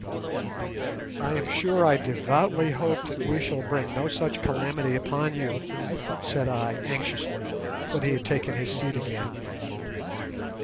"I am sure I devoutly hope that we shall bring no such calamity upon you," said I, anxiously, when he had taken his seat again.